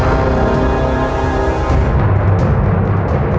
ibu ku adalah dewi tunjung biru